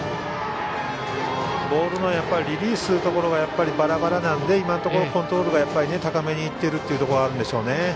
ボールをリリースするところがバラバラなので今のところ、コントロールが高めにいっているところはあるんでしょうね。